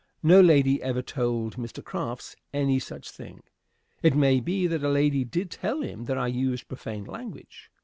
No lady ever told Mr. Crafts any such thing. It may be that a lady did tell him that I used profane language.